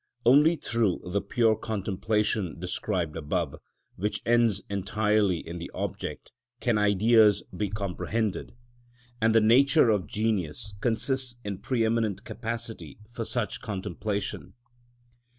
Only through the pure contemplation described above, which ends entirely in the object, can Ideas be comprehended; and the nature of genius consists in pre eminent capacity for such contemplation.